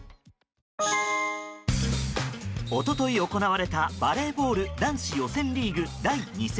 一昨日行われたバレーボール男子予選リーグ第２戦。